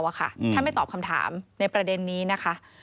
ท่านไม่ตอบคำถามในประเด็นนี้นะคะ